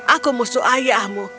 aku musuh ayahmu